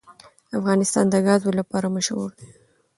افغانستان د ګاز لپاره مشهور دی.